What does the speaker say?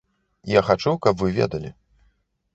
Я хачу, каб вы ведалі.